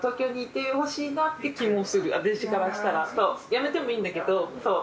辞めてもいいんだけどそう。